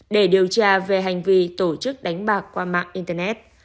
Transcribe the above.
để điều tra về hành vi tổ chức đánh bạc qua mạng internet